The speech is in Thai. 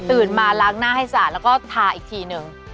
มาล้างหน้าให้สะแล้วก็ทาอีกทีนึง